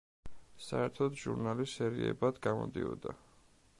საერთოდ ჟურნალი სერიებად გამოდიოდა.